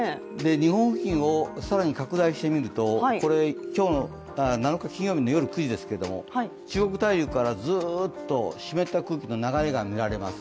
日本付近を更に拡大してみるとこれ、７日、金曜日の夜９時ですが中国大陸からずっと湿った空気の流れが見られます。